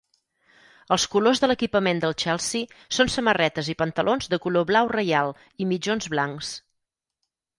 Els colors de l'equipament del Chelsea són samarretes i pantalons de color blau reial i mitjons blancs.